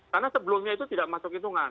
karena sebelumnya itu tidak masuk hitungan